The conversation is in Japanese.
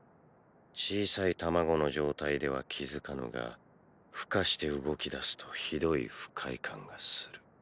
小さい卵の状態では気付かぬが孵化して動き出すとひどい不快感がする。